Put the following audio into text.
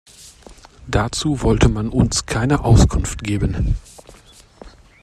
Dazu wollte man uns keine Auskunft geben.